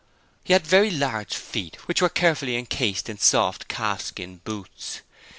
He had very large feet which were carefully encased in soft calfskin boots.